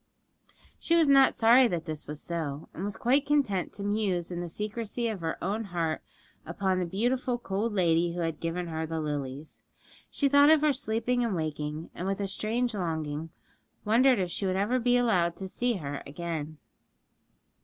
She was not sorry that this was so, and was quite content to muse in the secrecy of her own heart upon the beautiful cold lady who had given her the lilies. She thought of her sleeping and waking, and with a strange longing wondered if she would ever be allowed to see her again.